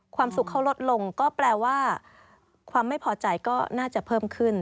ความสุขเขาลดลงก็แปลว่าความไม่พอใจก็น่าจะเพิ่มขึ้น